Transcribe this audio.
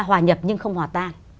hòa nhập nhưng không hòa tan